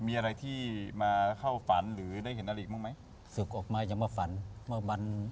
เมื่อเมื่อไม่กี่วันไม่กี่วันนี้ครับ